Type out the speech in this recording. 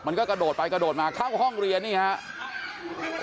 กระโดดไปกระโดดมาเข้าห้องเรียนนี่ครับ